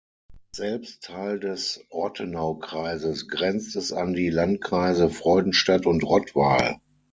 Selbst Teil des Ortenaukreises, grenzt es an die Landkreise Freudenstadt und Rottweil.